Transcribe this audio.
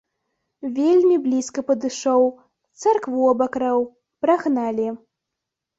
Вельмі блізка падышоў, царкву абакраў, прагналі.